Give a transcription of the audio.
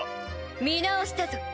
見直したぞ